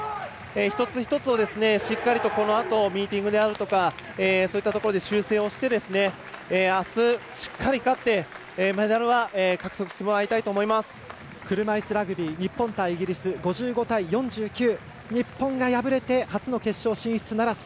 一つ一つをしっかりとこのあとミーティングであるとかそういったところで修正をしてあす、しっかり勝ってメダルは獲得してもらいたいと車いすラグビー日本対イギリス５５対４９、日本が敗れて初の決勝進出ならず。